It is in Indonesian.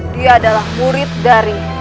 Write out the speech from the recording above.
dia adalah murid dari